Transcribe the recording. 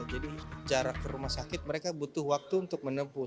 jadi jarak ke rumah sakit mereka butuh waktu untuk menempuh